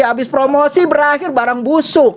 habis promosi berakhir barang busuk